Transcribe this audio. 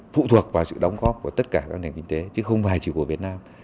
phụ thuộc vào sự đóng góp của tất cả các nền kinh tế chứ không phải chỉ của việt nam